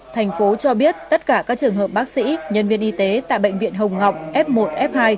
thành phố cho biết tất cả các trường hợp bác sĩ nhân viên y tế tại bệnh viện hồng ngọc f một f hai